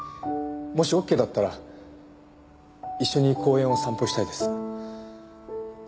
もしオッケーだったら一緒に公園を散歩したいです。